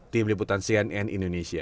tim liputan cnn indonesia